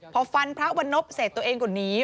พอฟันพระวันนพเสร็จตัวเองก็หนี